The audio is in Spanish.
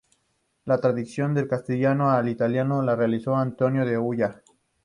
La traducción del castellano al italiano la realizó Antonio de Ulloa.